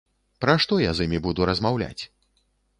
Пра што я з імі буду размаўляць?